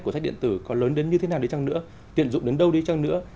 của sách điện tử còn lớn đến như thế nào đi chăng nữa tiện dụng đến đâu đi chăng nữa